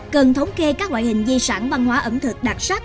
cần thống kê các loại hình di sản văn hóa ẩm thực đặc sắc